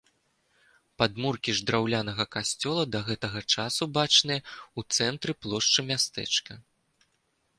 Падмуркі ж драўлянага касцёла да гэтага часу бачныя ў цэнтры плошчы мястэчка.